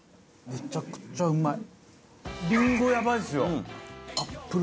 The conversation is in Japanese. めちゃめちゃうまい！